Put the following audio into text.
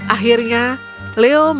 akhirnya leo mencapai kerajaan tetangga